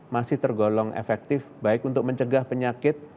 masih tergolong efektif baik untuk mencegah penyakit